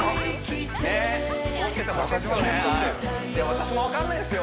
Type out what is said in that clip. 私も分かんないですよ